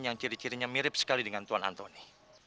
yang ciri cirinya mirip sekali dengan tuan antoni